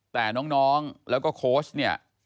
แต่น้องแล้วก็โค้ชเนี่ย